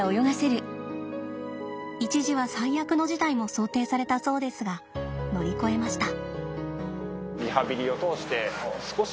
一時は最悪の事態も想定されたそうですが乗り越えました。